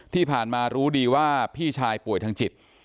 ที่ผ่านมารู้ดีว่าพี่ชายป่วยทางจิต